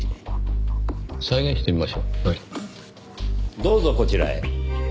どうぞこちらへ。